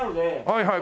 はいはい。